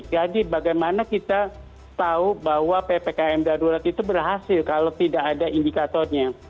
jadi bagaimana kita tahu bahwa ppkm darurat itu berhasil kalau tidak ada indikatornya